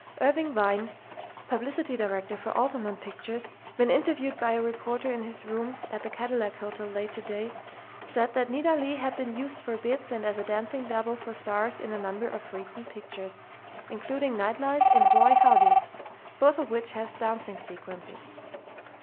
Irving Wein, publicity director for Altamont Pictures, when interviewed by a reporter in his rooms at the Cadillac Hotel late today, said that Nita Leigh had been used for "bits" and as a dancing "double" for stars in a number of recent pictures, including "Night Life" and "Boy, Howdy!", both of which have dancing sequences.